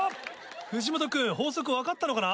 藤本君法則分かったのかな？